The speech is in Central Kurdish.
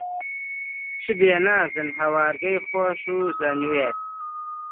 چ بێ نازن، هەوارگەی خۆش و زەنوێر